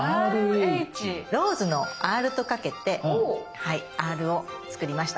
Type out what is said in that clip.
ローズの「Ｒ」とかけて「Ｒ」を作りました。